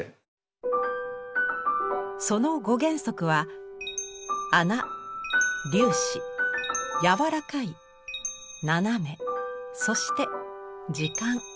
その５原則は「孔」「粒子」「やわらかい」「斜め」そして「時間」。